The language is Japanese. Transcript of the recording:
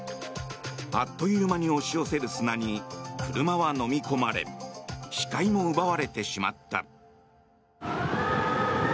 あっという間に押し寄せる砂に車はのみ込まれ視界も奪われてしまった。